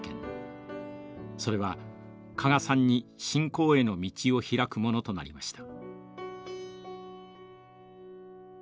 それは加賀さんに信仰への道を開くものとなりました。